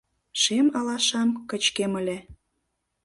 Шем алашам кычкем ыле.